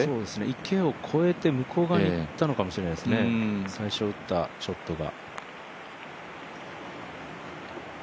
池を越えて向こう側にいったのかもしれないですね、最初打ったショットが。